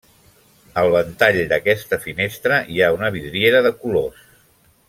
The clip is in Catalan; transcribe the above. Al ventall d'aquesta finestra hi ha una vidriera de colors.